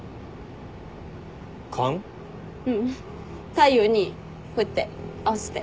太陽にこうやって合わせて。